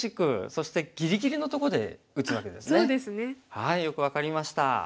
はいよく分かりました。